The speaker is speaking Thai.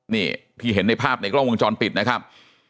นี่ที่เห็นในภาพในกล้องวงจรปิดนะครับ